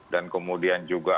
dan kemudian juga